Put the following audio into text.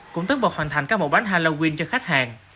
cũng tất bọt hoàn thành các bộ bánh halloween cho khách hàng